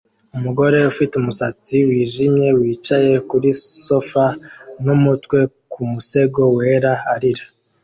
Umugore ufite umusatsi wijimye wicaye kuri sofa n'umutwe ku musego wera arira